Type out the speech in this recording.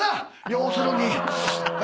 要するに。